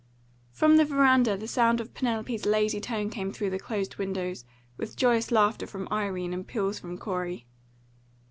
From the veranda the sound of Penelope's lazy tone came through the closed windows, with joyous laughter from Irene and peals from Corey.